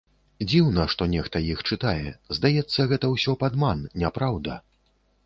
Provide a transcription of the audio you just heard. Дзіўна, што нехта іх чытае, здаецца, гэта ўсё падман, няпраўда.